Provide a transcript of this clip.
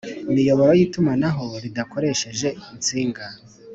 miyoboro y itumanaho ridakoresheje insinga